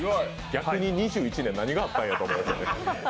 逆に２１年、何があったんや。